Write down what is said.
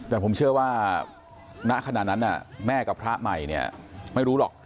แต่ผมเชื่อว่าณขณะนั้นแม่กับพระใหม่เนี่ยไม่รู้หรอก